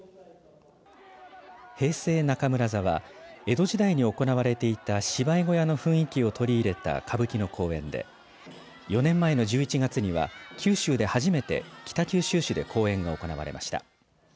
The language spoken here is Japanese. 平成中村座は江戸時代に行われていた芝居小屋の雰囲気を取り入れた歌舞伎の公演で４年前の１１月には九州で初めて北九州市で公演が行われました。